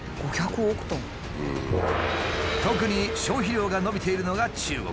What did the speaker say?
特に消費量が伸びているのが中国。